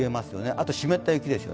あと湿った雪です。